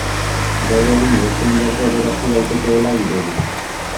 Gaur egun edozein lerdo aberastu daitekeela dirudi.